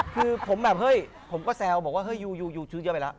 คือผมแบบเฮ้ยผมก็แซวบอกว่าเฮ้ยยูชื้นเยอะไปแล้ว